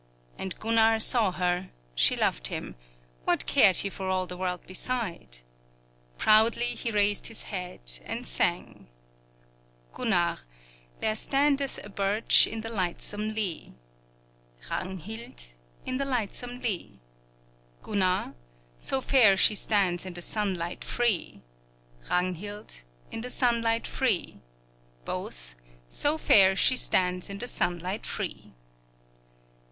And Gunnar saw her; she loved him: what cared he for all the world beside? Proudly he raised his head and sang: Gunnar There standeth a birch in the lightsome lea, Ragnhild In the lightsome lea; Gunnar So fair she stands in the sunlight free, Ragnhild In the sunlight free; Both So fair she stands in the sunlight free.